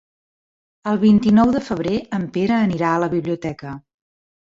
El vint-i-nou de febrer en Pere anirà a la biblioteca.